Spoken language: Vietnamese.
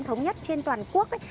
hệ thống nhất trên toàn quốc ấy